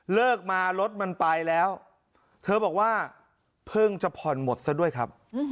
เลิกมารถมันไปแล้วเธอบอกว่าเพิ่งจะผ่อนหมดซะด้วยครับ